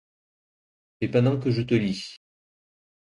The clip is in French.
Mais pendant que je te lis.